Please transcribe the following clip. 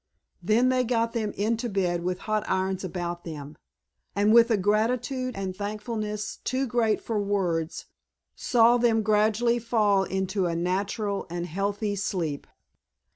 Then they got them into bed with hot irons about them, and with a gratitude and thankfulness too great for words saw them gradually fall into a natural and healthy sleep.